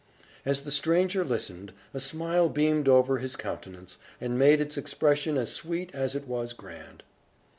As the stranger listened, a smile beamed over his countenance, and made its expression as sweet as it was grand.